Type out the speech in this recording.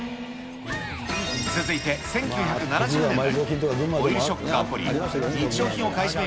続いて１９７０年代、オイルショックが起こり、日用品を買い占め